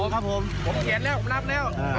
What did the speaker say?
พล